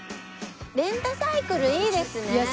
レンタサイクルいいですね。